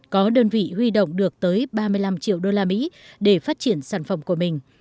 có đơn vị huy động được tới ba mươi năm triệu đô la mỹ để phát triển sản phẩm của mình